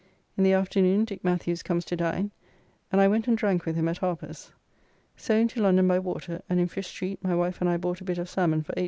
In the afternoon Dick Mathews comes to dine, and I went and drank with him at Harper's. So into London by water, and in Fish Street my wife and I bought a bit of salmon for 8d.